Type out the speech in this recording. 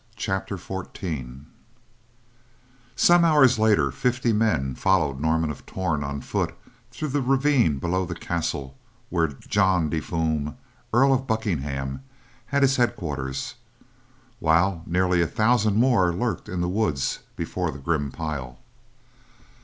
CHAPTER XIV Some hours later, fifty men followed Norman of Torn on foot through the ravine below the castle where John de Fulm, Earl of Buckingham, had his headquarters; while nearly a thousand more lurked in the woods before the grim pile.